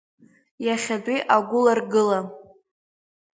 Иахьатәи агәыларгыла…